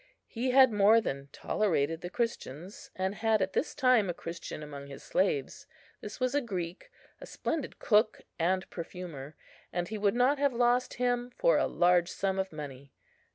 He had more than tolerated the Christians, and had at this time a Christian among his slaves. This was a Greek, a splendid cook and perfumer, and he would not have lost him for a large sum of money.